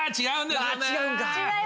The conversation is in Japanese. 違うのか。